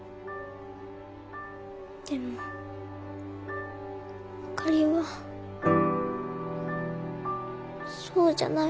でもあかりはそうじゃない。